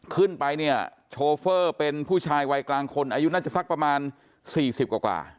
ขึ้นไปเนี่ยโชเฟอร์เป็นผู้ชายวัยกลางคนอายุน่าจะสักประมาณ๔๐กว่า